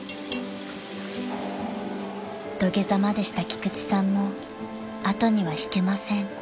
［土下座までした菊池さんも後には引けません］